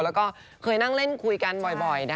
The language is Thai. แล้วก็เคยนั่งเล่นคุยกันบ่อย